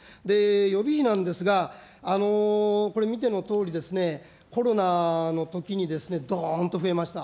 予備費なんですが、これ見てのとおりですね、コロナのときにですね、どーんと増えました。